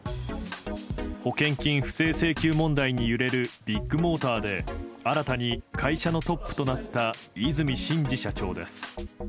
保険金不正請求問題に揺れるビッグモーターで、新たに会社のトップとなった和泉伸二社長です。